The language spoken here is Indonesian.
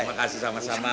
iya terima kasih sama sama